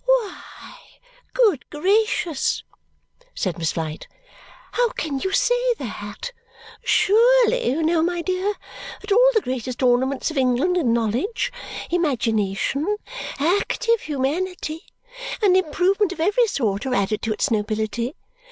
"Why, good gracious," said Miss Flite, "how can you say that? Surely you know, my dear, that all the greatest ornaments of England in knowledge, imagination, active humanity, and improvement of every sort are added to its nobility!